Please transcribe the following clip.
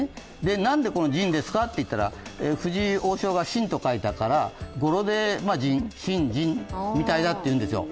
なんでですかといったら藤井王将が深と書いたから語呂で、シンジンみたいだと言うんです。